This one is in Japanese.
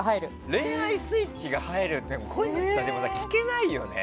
恋愛スイッチが入るってこういうの聞けないよね。